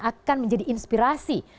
akan menjadi inspirasi